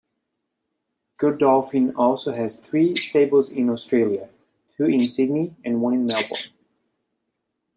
Godolphin also has three stables in Australia, two in Sydney and one in Melbourne.